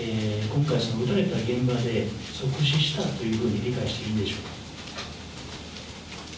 今回、撃たれた現場で即死したというふうに理解していいんでしょうか？